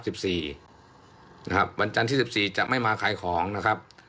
นะครับวันจันทร์ที่สิบสี่จะไม่มาขายของนะครับ